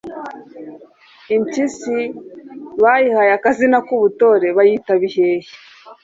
Impyisi bayihaye akazina k’ubutore bayita “Bihehe “